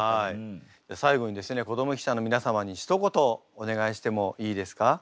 最後にですね子ども記者の皆様にひと言お願いしてもいいですか？